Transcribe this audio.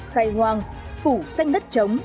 khai hoang phủ xanh đất trống